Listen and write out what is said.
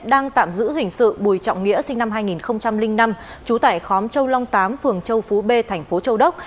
đang tạm giữ hình sự bùi trọng nghĩa sinh năm hai nghìn năm trú tại khóm châu long tám phường châu phú b thành phố châu đốc